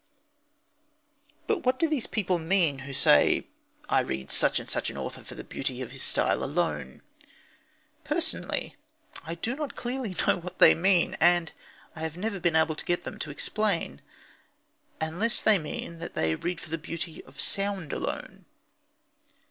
But what do those people mean who say: "I read such and such an author for the beauty of his style alone"? Personally, I do not clearly know what they mean (and I have never been able to get them to explain), unless they mean that they read for the beauty of sound alone.